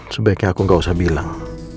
sebaiknya aku gak usah bilang